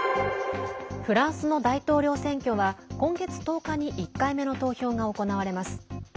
フランスの大統領選挙は今月１０日に１回目の投票が行われます。